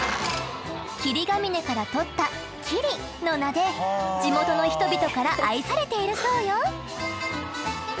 霧ヶ峰から取った「ｋｉｒｉ」の名で地元の人々から愛されているそうよ！